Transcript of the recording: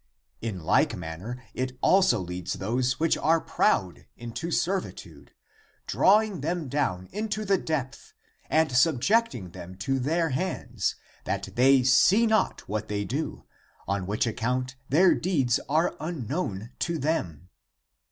In like manner, it also leads those which are proud into servitude, drawing them down into the depth and subjecting them to their hands, that they see not what they do, on which account their deeds are unknown to them.